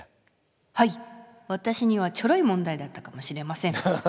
はいわたしにはちょろい問題だったかもしれません。